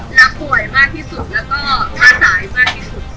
ก็ล้าโป่ยมากที่สุดแล้วก็ลาสายมากที่สุด